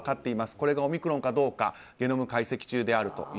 これがオミクロンかどうかゲノム解析中であると。